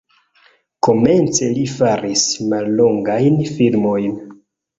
Komence li faris mallongajn filmojn.